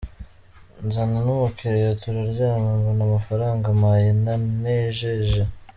Nzana n’ umukiriya turaryama, mbona amafaranga ampaye ntanejeje.